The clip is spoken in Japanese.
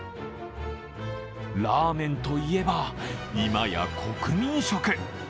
ラーメンといえば今や国民食。